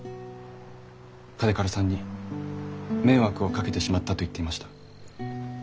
嘉手刈さんに迷惑をかけてしまったと言っていました。